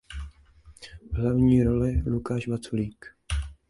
V hlavní roli Lukáš Vaculík.